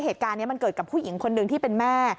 เหตุการณ์นี้มันเกิดกับผู้หญิงคนหนึ่งที่เป็นแม่